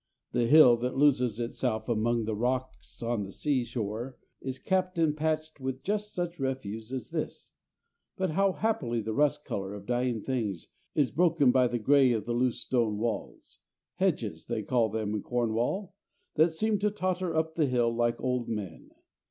The hill that loses itself among the rocks on the sea shore is capped and patched with just such refuse as this, but how happily the rust colour of dying things is broken by the grey of the loose stone walls "hedges," they call them in Cornwall that seem to totter up the hill like old men!